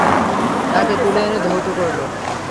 তাকে তুলে এনে ধৌত করল।